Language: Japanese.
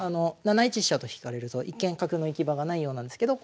７一飛車と引かれると一見角の行き場がないようなんですけど